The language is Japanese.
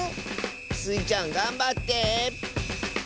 スイちゃんがんばって。